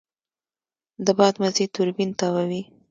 د باد مزی توربین تاووي.